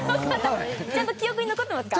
ちゃんと記憶に残ってますか？